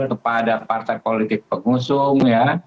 kepada partai politik pengusung